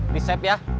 di saeb ya